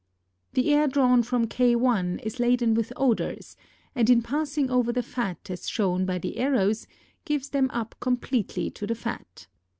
The air drawn from K_ is laden with odors and in passing over the fat as shown by the arrows gives them up completely to the fat.